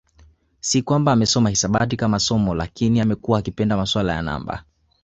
Si kwamba amesoma hisabati kama somo lakini amekuwa akipenda masuala ya namba